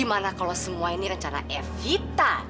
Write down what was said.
mia sudah kembali ke rumah